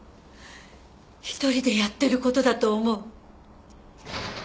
１人でやってる事だと思う？